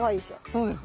そうですね。